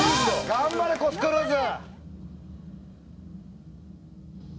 頑張れコス・クルーズ！」